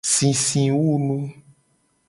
Sisiwunu.